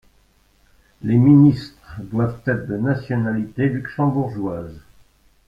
Les ministres doivent être de nationalité luxembourgeoise.